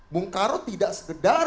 bung karo tidak sekedar